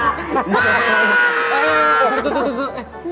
tuh tuh tuh